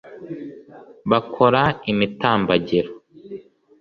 bakora imitambagiro